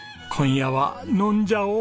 今夜は飲んじゃおう！